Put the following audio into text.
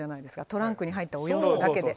トランクに入った洋服だけで。